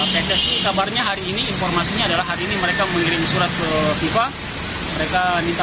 pssi kabarnya hari ini informasinya adalah hari ini mereka mengirim surat ke fifa mereka minta